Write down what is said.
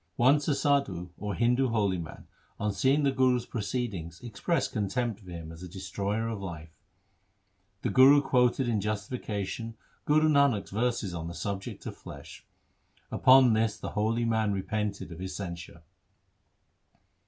Once a sadhu, or Hindu holy man, on seeing the Guru's proceedings expressed contempt for him as a destroyer of life. The Guru quoted in justi fication Guru Nanak's verses on the subject of flesh. Upon this the holy man repented of his censure.